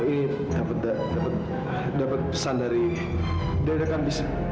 ini dapat pesan dari dekan bisnis